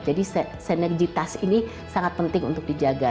jadi senergitas ini sangat penting untuk dijaga